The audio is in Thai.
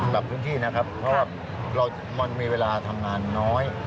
ปรับพื้นที่นะครับเพราะว่ามันมีเวลาทำงานน้อย